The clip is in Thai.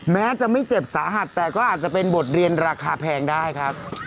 แม้จะไม่เจ็บสาหัสแต่ก็อาจจะเป็นบทเรียนราคาแพงได้ครับ